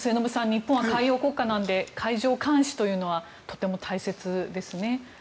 日本は海洋国家なので海上監視というのはとても大切ですね。